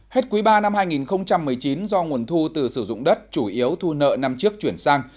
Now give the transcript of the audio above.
hết quý ba năm hai nghìn một mươi chín do nguồn thu từ sử dụng đất chủ yếu thu nợ năm trước chuyển sang